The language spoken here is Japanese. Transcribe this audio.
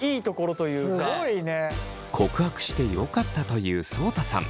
告白してよかったと言うそうたさん。